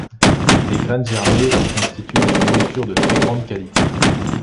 Les graines germées constituent une nourriture de très grande qualité.